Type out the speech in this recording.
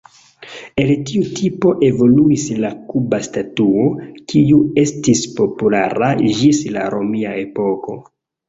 El tiu tipo evoluis la kuba statuo, kiu estis populara ĝis la romia epoko.